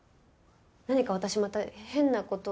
何か私また変な事を？